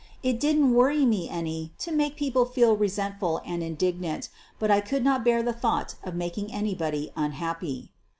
It didn't worry me any to make people feel resentful and indignant, but I could not bear the thought of making anybody unhappy.